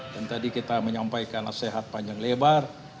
dan tadi kita menyampaikan nasihat panjang lebar